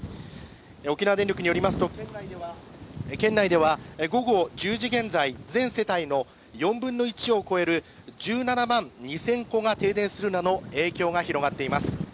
沖縄電力によりますと、県内では午後１０時現在、全世帯の４分の１を超える１７万２０００戸が停電するなど影響が広がっています。